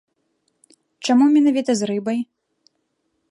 Чаму менавіта з рыбай?